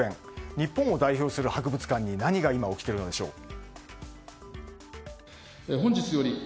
日本を代表する博物館に何が今起きているのでしょうか。